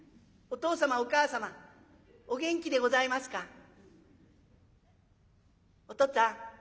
お父様お母様お元気でございますか。